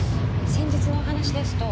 先日のお話ですと。